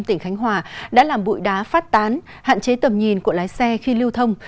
tỉnh khánh hòa đã làm bụi đá phát tán hạn chế tầm nhìn của lái xe khi lưu thông